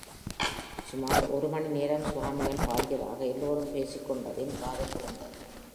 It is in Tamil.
சுமார் ஒரு மணி நேரம் சுவாமிகள் பாடியதாக எல்லோரும் பேசிக்கொண்டது என் காதில் விழுந்தது.